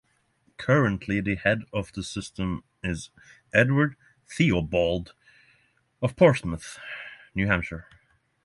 Currently, the head of the System is Edward Theobald of Portsmouth, New Hampshire.